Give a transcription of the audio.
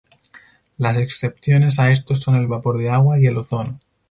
Las excepciones a estos son el vapor de agua y el ozono.